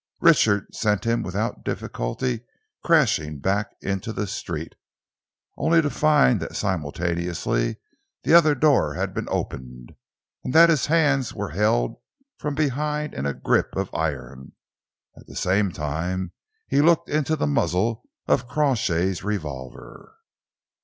Richard sent him without difficulty crashing back into the street, only to find that simultaneously the other door had been opened, and that his hands were held from behind in a grip of iron. At the same time he looked into the muzzle of Crawshay's revolver.